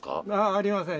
ありません。